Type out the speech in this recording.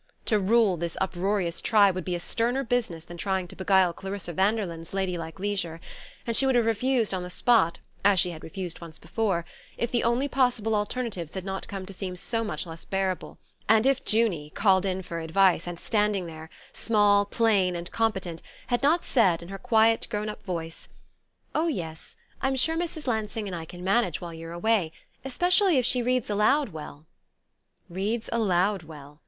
To rule this uproarious tribe would be a sterner business than trying to beguile Clarissa Vanderlyn's ladylike leisure; and she would have refused on the spot, as she had refused once before, if the only possible alternatives had not come to seem so much less bearable, and if Junie, called in for advice, and standing there, small, plain and competent, had not said in her quiet grown up voice: "Oh, yes, I'm sure Mrs. Lansing and I can manage while you're away especially if she reads aloud well." Reads aloud well!